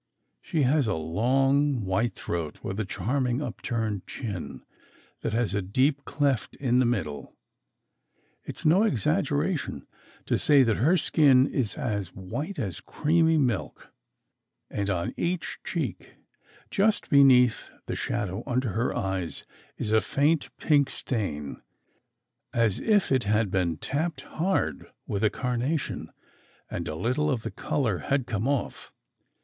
She has a long white throat with a charming upturned chin that has a deep cleft in the middle. It s no exaggera 34 SECRET HISTORY tion to say that her skin is as white as creamy milk; and on each cheek, just beneath the shadow under her eyes, is a faint pink stain, as if it had been tapped hard with a carna tion, and a little of the colour had come off.